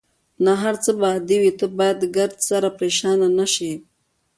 نه، هر څه به عادي وي، ته باید ګردسره پرېشانه نه شې.